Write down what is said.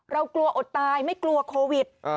เรากลัวอดตายไม่กลัวโควิด